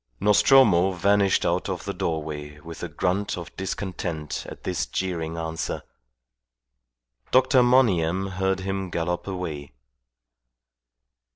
Nostromo vanished out of the doorway with a grunt of discontent at this jeering answer. Dr. Monygham heard him gallop away.